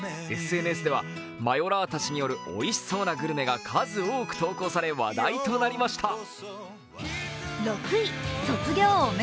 ＳＮＳではマヨラーたちによるグルメが数多く投稿され話題となりました。